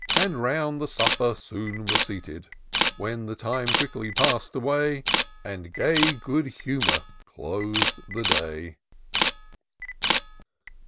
And round the supper soon were seated ; When the time quickly passed away. And gay good humour clos'd the day.